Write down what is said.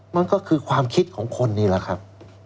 มันก็คือความคิดของคนนี่แหละครับ